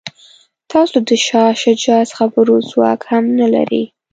تاسو د شاه شجاع خبرو ځواک هم نه لرئ.